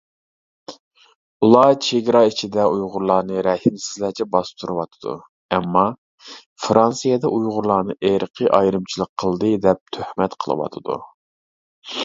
ئۇلار چېگرا ئىچىدە ئۇيغۇرلارنى رەھىمسىزلەرچە باستۇرۇۋاتىدۇ، ئەمما فىرانسىيەدە ئۇيغۇرلارنى ئىرقىي ئايرىمىچىلىق قىلدى دەپ تۆھمەت قىلىۋاتىدۇ.